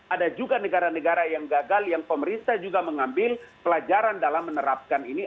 ada juga negara negara yang gagal yang pemerintah juga mengambil pelajaran dalam menerapkan ini